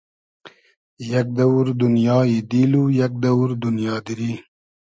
یئگ دئوور دونیای دیل و یئگ دئوور دونیا دیری